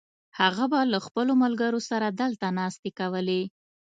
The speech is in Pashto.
هغه به له خپلو ملګرو سره دلته ناستې کولې.